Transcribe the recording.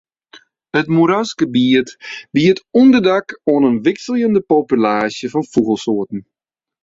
It moerasgebiet biedt ûnderdak oan in wikseljende populaasje fan fûgelsoarten.